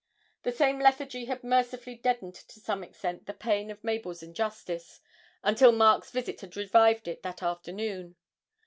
The same lethargy had mercifully deadened to some extent the pain of Mabel's injustice, until Mark's visit had revived it that afternoon.